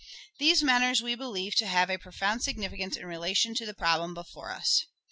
These matters we believe to have a profound significance in relation to the problem before us.